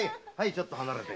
ちょっと離れて！